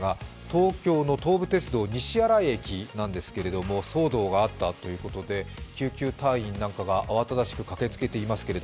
東京の東武鉄道・西新井駅ですけれども騒動があったということで救急隊員なんかが慌ただしく駆けつけています。